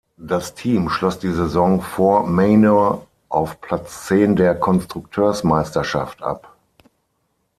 Das Team schloss die Saison vor Manor auf Platz zehn der Konstrukteursmeisterschaft ab.